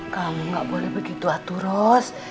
kamu nggak boleh begitu atu ros